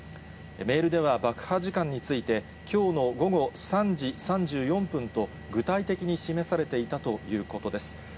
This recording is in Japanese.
メールでは、爆破時間について、きょうの午後３時３４分と具体的に示されていたということです。